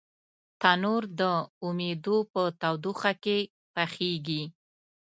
تنور د امیدو په تودوخه کې پخېږي